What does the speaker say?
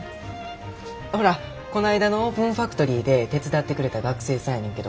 ほらこないだのオープンファクトリーで手伝ってくれた学生さんやねんけど。